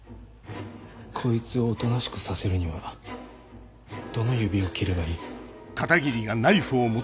こいつをおとなしくさせるにはどの指を切ればいい？